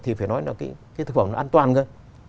thì phải nói là cái thực phẩm nó an toàn thôi